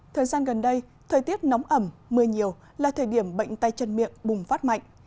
thời gian gần đây thời tiết nóng ẩm mưa nhiều là thời điểm bệnh tay chân miệng bùng phát mạnh